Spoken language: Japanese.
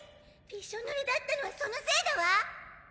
びしょぬれだったのはそのせいだわ！